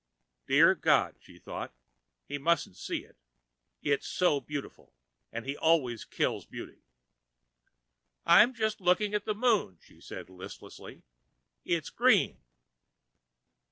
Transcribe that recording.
Dear God, she thought, he mustn't see it. It's so beautiful, and he always kills beauty. "I'm just looking at the Moon," she said listlessly. "It's green."